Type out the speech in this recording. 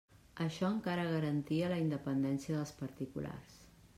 Això encara garantia la independència dels particulars.